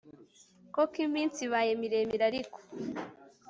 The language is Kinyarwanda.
koko iminsi ibaye miremire Ariko